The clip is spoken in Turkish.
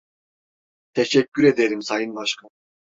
Teşekkür ederim Sayın Başkan.